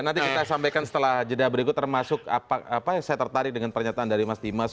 nanti kita sampaikan setelah jeda berikut termasuk saya tertarik dengan pernyataan dari mas dimas